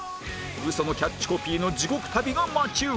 ウソのキャッチコピーの地獄旅が待ち受ける